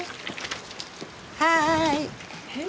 はい。